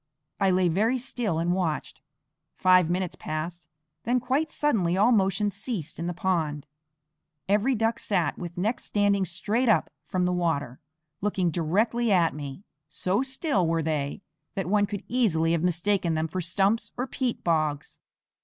I lay very still and watched. Five minutes passed; then quite suddenly all motion ceased in the pond; every duck sat with neck standing straight up from the water, looking directly at me. So still were they that one could easily have mistaken them for stumps or peat bogs.